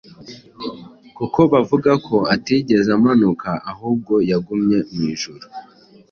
kuko bavuga ko atigeze amanuka ahubwo yagumye mu ijuru.